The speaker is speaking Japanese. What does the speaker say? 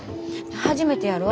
初めてやろ？